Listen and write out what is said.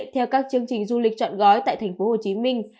theo các chương trình du lịch chọn gói tại thành phố hồ chí minh